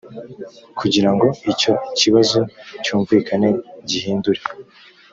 kugira ngo icyo kibazo cyumvikane gihindure.